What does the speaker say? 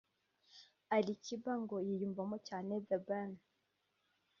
Ali Kiba ngo yiyumvamo cyane The Ben